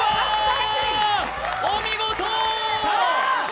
お見事！